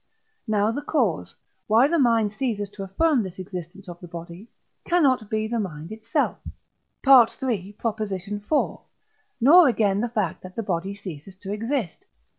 Now the cause, why the mind ceases to affirm this existence of the body, cannot be the mind itself (III. iv.), nor again the fact that the body ceases to exist.